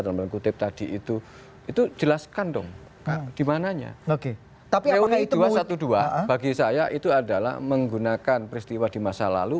di mana ya oke tapi orangnya itu dua belas bagi saya itu adalah menggunakan peristiwa di masa lalu